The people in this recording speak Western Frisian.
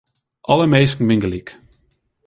Alle minsken binne gelyk.